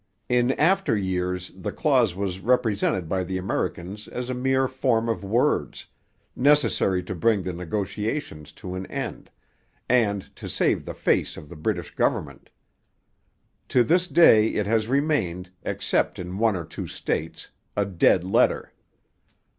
In after years the clause was represented by the Americans as a mere form of words, necessary to bring the negotiations to an end, and to save the face of the British government. To this day it has remained, except in one or two states, a dead letter.